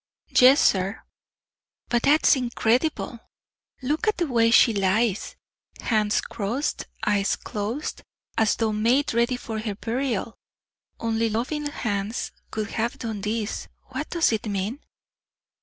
"Yes, sir." "But that is incredible. Look at the way she lies! Hands crossed, eyes closed, as though made ready for her burial. Only loving hands could have done this. What does it mean?"